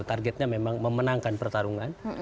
targetnya memang memenangkan pertarungan